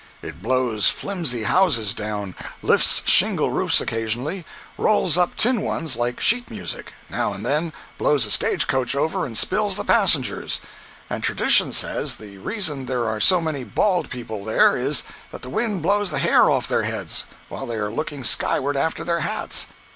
It blows flimsy houses down, lifts shingle roofs occasionally, rolls up tin ones like sheet music, now and then blows a stage coach over and spills the passengers; and tradition says the reason there are so many bald people there, is, that the wind blows the hair off their heads while they are looking skyward after their hats.